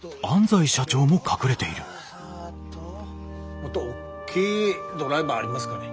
もっと大きいドライバーありますかね？